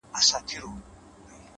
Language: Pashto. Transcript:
ه چیري یې د کومو غرونو باد دي وهي!